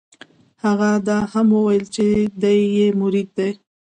هغه دا هم وویل چې دی یې مرید دی.